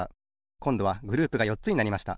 こんどはグループがよっつになりました。